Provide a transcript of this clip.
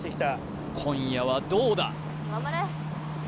今夜はどうだ？